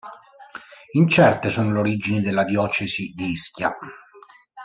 Incerte sono le origini della diocesi di Ischia.